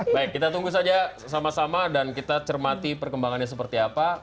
baik kita tunggu saja sama sama dan kita cermati perkembangannya seperti apa